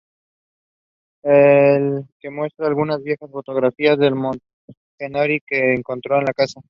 Él le muestra algunas viejas fotografías de los Montgomery que encontró en la casa.